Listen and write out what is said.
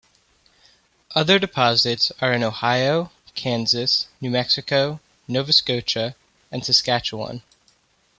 Other deposits are in Ohio, Kansas, New Mexico, Nova Scotia and Saskatchewan.